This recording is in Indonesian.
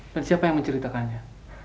dan siapa yang menceritakannya